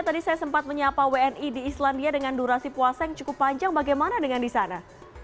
tadi saya sempat menyapa wni di islandia dengan durasi puasa yang cukup panjang bagaimana dengan di sana